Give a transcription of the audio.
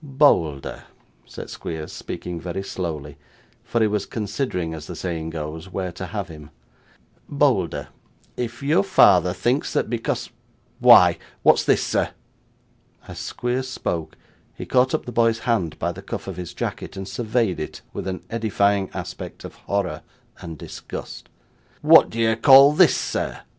'Bolder,' said Squeers, speaking very slowly, for he was considering, as the saying goes, where to have him. 'Bolder, if you father thinks that because why, what's this, sir?' As Squeers spoke, he caught up the boy's hand by the cuff of his jacket, and surveyed it with an edifying aspect of horror and disgust. 'What do you call this, sir?